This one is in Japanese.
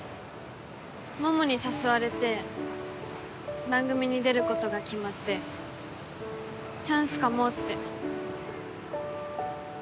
ももに誘われて番組に出ることが決まってチャンスかもって。